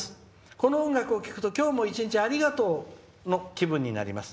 この音楽を聴くと今日も一日ありがとうの気分になります。